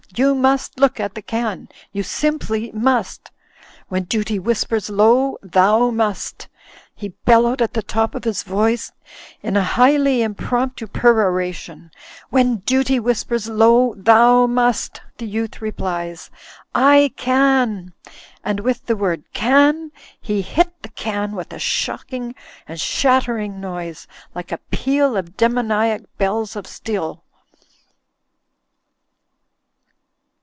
You must look at the can ! You simply must ! When Duty whispers low *Thou Must !'" he bellowed at the top of his voice in a highly impromptu perora tion, "When Duty whispers low Thou Must,' the Youth replies, 'I can !'" And with the word "Can" he hit the can with a shocking and shattering noise, like a peal of demoniac bells of steel.